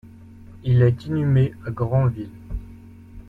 Il est inhumé à Granville.